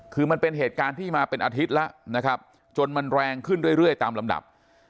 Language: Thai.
คือมันเป็นเหตุการณ์ที่มาเป็นอาทิตย์แล้วนะครับจนมันแรงขึ้นเรื่อยตามลำดับ